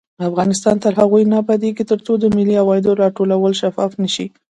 افغانستان تر هغو نه ابادیږي، ترڅو د ملي عوایدو راټولول شفاف نشي.